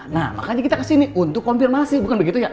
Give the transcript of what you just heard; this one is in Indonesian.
nah makanya kita kesini untuk konfirmasi bukan begitu ya